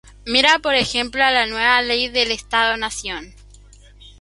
Mira por ejemplo a la nueva Ley del Estado Nación.